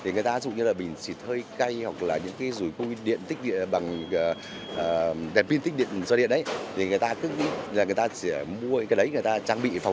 người ta dùng như bình xịt hơi cay hoặc dùi công viên điện tích điện bằng đèn pin tích điện do điện người ta cứ nghĩ là người ta chỉ mua cái đấy người ta trang bị phòng thay